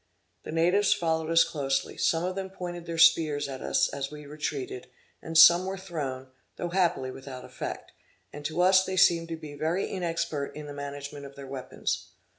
The natives followed us closely; some of them pointed their spears at us as we retreated, and some were thrown, though happily without effect; and to us they seemed to be very inexpert in the management of their weapons.